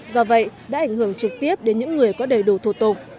do vậy đã ảnh hưởng trực tiếp đến những người có đầy đủ thủ tục